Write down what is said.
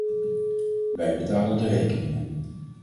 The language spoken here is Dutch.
Wij betalen de rekeningen.